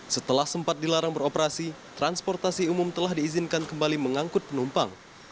setelah sempat dilarang beroperasi transportasi umum telah diizinkan kembali mengangkut penumpang